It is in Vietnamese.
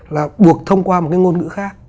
là buộc thông qua một cái ngôn ngữ khác